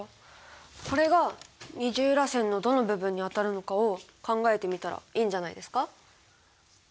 これが二重らせんのどの部分にあたるのかを考えてみたらいいんじゃないですか？